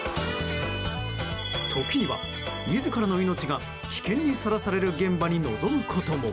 時には、自らの命が危険にさらされる現場に臨むことも。